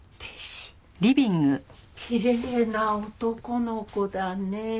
きれいな男の子だねえ。